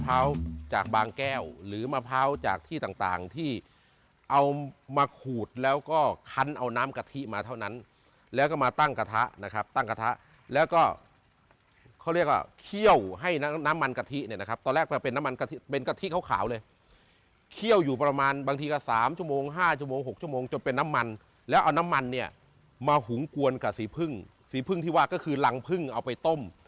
มะพร้าวจากบางแก้วหรือมะพร้าวจากที่ต่างที่เอามาขูดแล้วก็คันเอาน้ำกะทิมาเท่านั้นแล้วก็มาตั้งกระทะนะครับตั้งกระทะแล้วก็เขาเรียกว่าเขี้ยวให้น้ำมันกะทินะครับตอนแรกเป็นน้ำมันกะทิเป็นกะทิขาวเลยเขี้ยวอยู่ประมาณบางทีก็๓ชั่วโมง๕ชั่วโมง๖ชั่วโมงจนเป็นน้ำมันแล้วเอาน้ำมันเนี่ยมาหุงกวนกับ